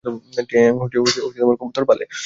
টে ইয়াং কবুতর পালে।